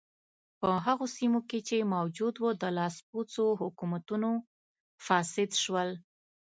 په هغو سیمو کې چې موجود و د لاسپوڅو حکومتونو فاسد شول.